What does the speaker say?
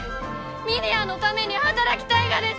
峰屋のために働きたいがです！